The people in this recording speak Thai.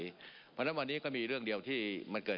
เพราะฉะนั้นวันนี้ก็มีเรื่องเดียวที่มันเกิด